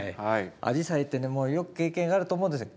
アジサイってねもうよく経験があると思うんですよ。